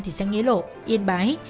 thị xã nghĩa lộ yên bái